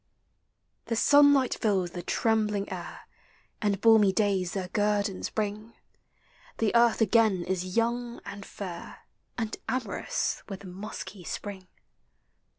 The sunlight fills the trembling air, And balmy days their guerdons bring; The Earth again is young and fair, And amorous with musky Spring.